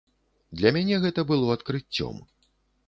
Для мяне гэта было адкрыццём.